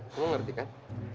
kamu ngerti kan